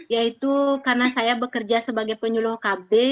yaitu karena saya bekerja sebagai penyuluh kb